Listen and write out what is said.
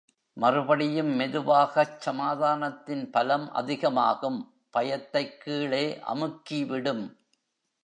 மறுபடியும் மெதுவாகச் சமாதானத்தின் பலம் அதிகமாகும் பயத்தைக் கீழே அமுக்கிவிடும்.